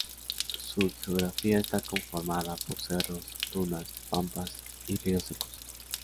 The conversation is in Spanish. Su geografía está conformada por cerros, dunas, pampas y ríos secos.